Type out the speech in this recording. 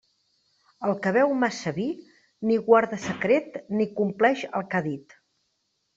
El que beu massa vi, ni guarda secret ni compleix el que ha dit.